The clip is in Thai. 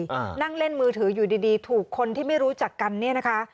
อ่านั่งเล่นมือถืออยู่ดีดีถูกคนที่ไม่รู้จักกันเนี้ยนะคะ